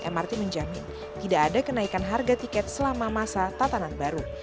mrt menjamin tidak ada kenaikan harga tiket selama masa tatanan baru